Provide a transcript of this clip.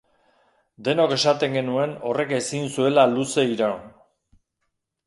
Denok esaten genuen horrek ezin zuela luze iraun.